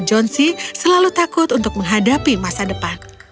john c selalu takut untuk menghadapi masa depan